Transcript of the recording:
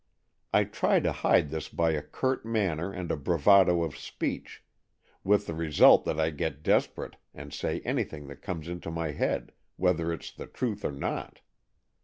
I try to hide this by a curt manner and a bravado of speech, with the result that I get desperate and say anything that comes into my head, whether it's the truth or not.